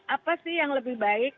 apa sih yang lebih baik